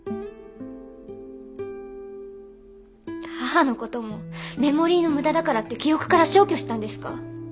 母の事もメモリーの無駄だからって記憶から消去したんですか？